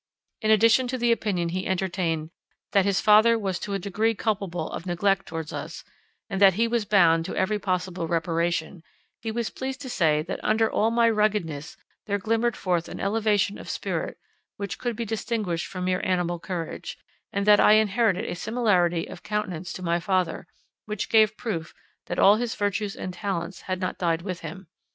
In addition to the opinion he entertained that his father was to a degree culpable of neglect towards us, and that he was bound to every possible reparation, he was pleased to say that under all my ruggedness there glimmered forth an elevation of spirit, which could be distinguished from mere animal courage, and that I inherited a similarity of countenance to my father, which gave proof that all his virtues and talents had not died with him.